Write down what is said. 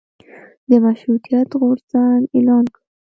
د مشروطیت غورځنګ اعلان کړ.